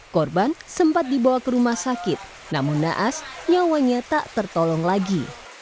korban sempat dibawa ke rumah sakit namun naas nyawanya tak tertolong lagi